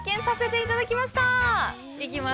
いきます！